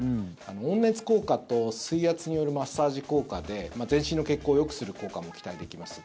温熱効果と水圧によるマッサージ効果で全身の血行をよくする効果も期待できます。